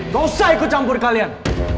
gak usah ikut campur kalian